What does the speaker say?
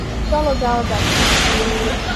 চলো, যাওয়া যাক।